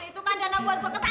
itu kan dana buat ke salon